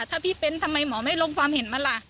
ถ้าพี่เป็นทำไมหมอไม่ลงความเห็นมาล่ะ